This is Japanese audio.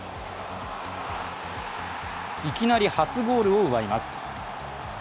いきなり初ゴールを奪います。